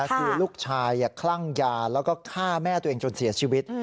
คือลูกชายคลั่งยาแล้วก็ฆ่าแม่ตัวเองจนเสียชีวิต